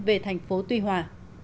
về thành phố tuy hòa